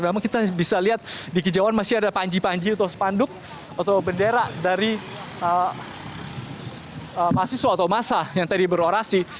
memang kita bisa lihat di kejauhan masih ada panji panji atau spanduk atau bendera dari mahasiswa atau masa yang tadi berorasi